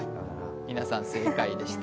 皆さん正解でした。